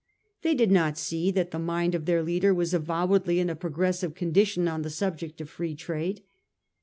They did not see that the mind of their leader was avowedly in a progressive condition on the subject of Free Trade.